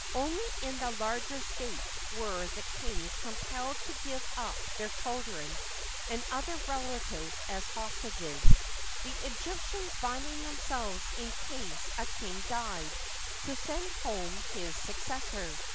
Only in the larger states were the kings compelled to give up their children and other rela tives as hostages, the Egyptians binding themselves in case a king died to send home his successor.